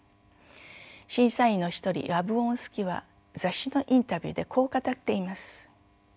審査員の一人ヤブウォンスキは雑誌のインタビューでこう語っています。